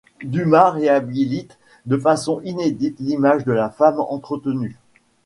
Dumas réhabilite de façon inédite l'image de la femme entretenue.